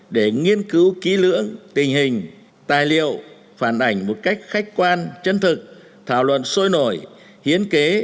để nghiên cứu kỹ lưỡng tình hình tài liệu phản ảnh một cách khách quan chân thực thảo luận sôi nổi hiến kế